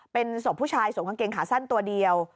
เป็นศพผู้ชายสวมกางเกงขาสั้นตัวเดียว